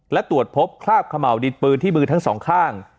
และตรวจพบคราบเขม่าวดินปืนที่มือทั้งสองข้าง